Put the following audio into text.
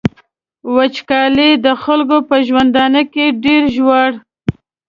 وچکالي د خلکو په ژوندانه کي ډیر ژور.